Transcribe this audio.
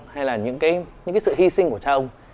hay là những sự hy sinh của cha ông